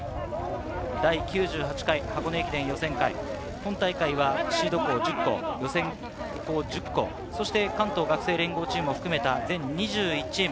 第９８回箱根駅伝予選会、本大会はシード校１０校、そして関東学生連合を含めた全２１チーム。